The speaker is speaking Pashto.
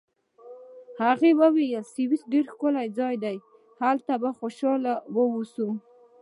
هغې وویل: سویس ډېر ښکلی ځای دی، هلته به خوشحاله واوسو.